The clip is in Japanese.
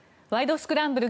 スクランブル」